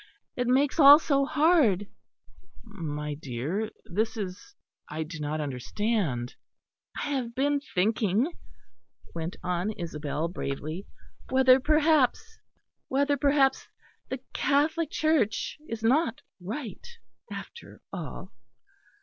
It makes all so hard." "My dear, this is I do not understand." "I have been thinking," went on Isabel bravely, "whether perhaps the Catholic Church is not right after all."